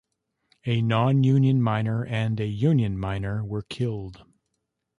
A non-union miner and a union miner were killed.